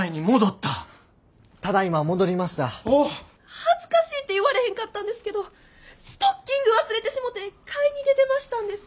恥ずかしいて言われへんかったんですけどストッキング忘れてしもて買いに出てましたんです。